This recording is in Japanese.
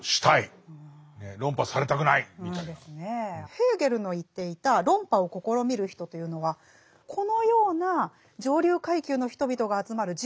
ヘーゲルの言っていた論破を試みる人というのはこのような上流階級の人々が集まる１８世紀